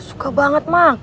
suka banget mak